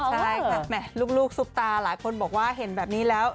ใช่ค่ะลูกซุปตาหลายคนบอกว่าเห็นแบบนี้แล้ว